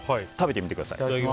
食べてみてください。